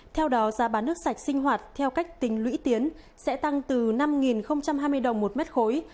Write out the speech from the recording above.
theo đó giá bán nước sạch sinh hoạt theo cách tính lũy tiến sẽ tăng từ năm hai mươi đồng một mét khối